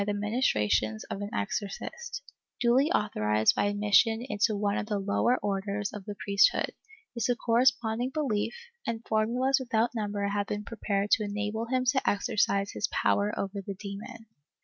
XVI] DEMONIACAL POSSESSION 349 ministrations of an exorcist, duly authorized by admission into one of the lowe^' orders of the priesthood, is a corresponding belief, and formulas without number have been prepared to enable him to exercise his power over the demon.